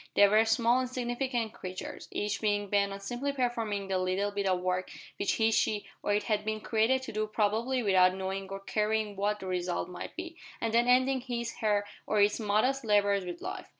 They were small insignificant creatures, each being bent on simply performing the little bit of work which he, she, or it had been created to do probably without knowing or caring what the result might be, and then ending his, her, or its modest labours with life.